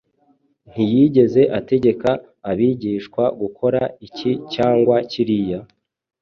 Ntiyigeze ategeka abigishwa gukora iki cyangwa kiriya,